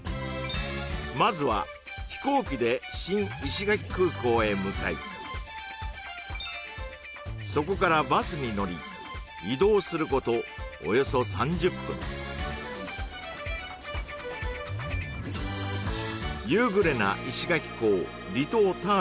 まずは飛行機で新石垣空港へ向かいそこからバスに乗り移動することおよそ３０分に到着